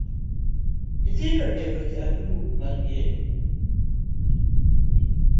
Nyithindo onego ochak grube mag kedo